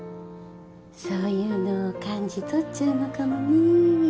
そういうのを感じとっちゃうのかもね